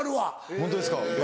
ホントですか？